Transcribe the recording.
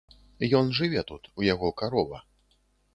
Ён жыве тут, у яго карова.